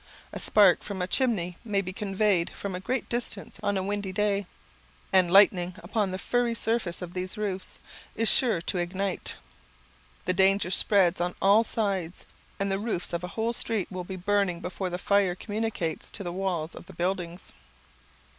A spark from a chimney may be conveyed from a great distance on a windy day, and lighting upon the furry surface of these roofs, is sure to ignite. The danger spreads on all sides, and the roofs of a whole street will be burning before the fire communicates to the walls of the buildings.